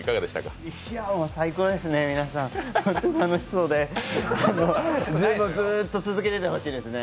最高ですね、皆さん、本当に楽しそうであのままずっと続けててほしいですね。